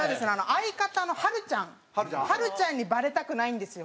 相方のはるちゃんはるちゃんにバレたくないんですよ